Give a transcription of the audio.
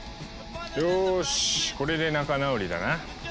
よしこれで仲直りだな。